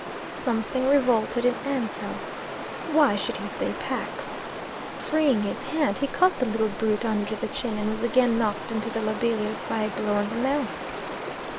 Something revolted in Ansell. Why should he say Pax? Freeing his hand, he caught the little brute under the chin, and was again knocked into the lobelias by a blow on the mouth.